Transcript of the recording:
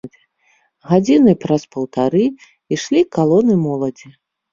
Гадзіны праз паўтары ішлі калоны моладзі.